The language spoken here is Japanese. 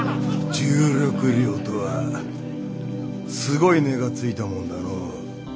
十六両とはすごい値がついたものだのう。